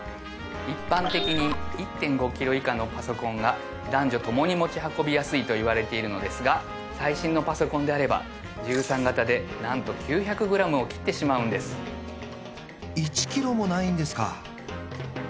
一般的に１．５ｋｇ以下のパソコンが男女ともに持ち運びやすいといわれているのですが最新のパソコンであれば１３型でなんと９００ｇを切ってしまうんです１ｋｇもないんですか！？